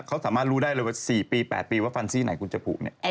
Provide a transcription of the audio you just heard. เขาสามารถรู้ได้เลยว่า๔๘ปีว่าฟันจิ้อไหนจะผู